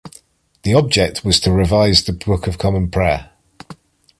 The object was to revise the "Book of Common Prayer".